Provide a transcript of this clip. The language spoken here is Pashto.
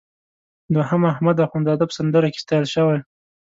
دوهم احمد اخوندزاده په سندره کې ستایل شوی.